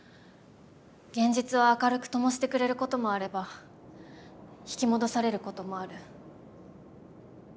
現実を明るく灯してくれることもあれば引き戻されることもある。